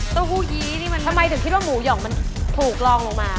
ทำไมถึงคิดว่าหมูหยองมันถูกลองลงมา